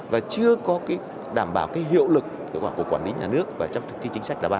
và chưa có đảm bảo hiệu lực của quản lý nhà nước và trong thực tế chính sách là ba